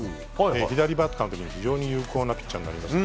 左バッターの時に非常に有効なピッチャーになります。